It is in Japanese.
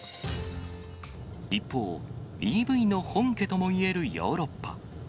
一方、ＥＶの本家ともいえるヨーロッパ。